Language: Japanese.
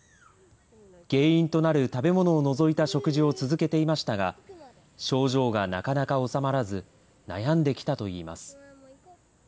原因となる食べ物を除いた食事を続けていましたが、症状がなかなか治まらず、悩んできたといいます。